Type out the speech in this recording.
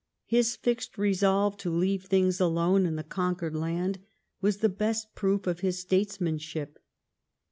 His fixed resolve to leave things alone in the conquered land was the best pvooi (if his statesmanship.